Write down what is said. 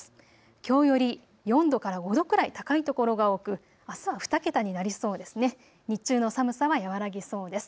きょうより４度から５度くらい高い所が多くあすは２桁になりそうですね。